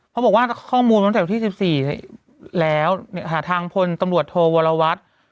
เขาบอกว่าข้อมูลตั้งแต่วันที่๑๔แล้วหาทางพลตำรวจโทวรวัตร